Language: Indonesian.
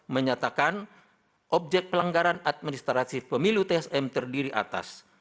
menyatakan objek pelanggaran administratif pemilih tsm terdiri atas